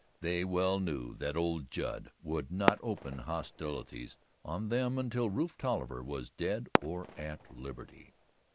They well knew that old Judd would not open hostilities on them until Rufe Tolliver was dead or at liberty.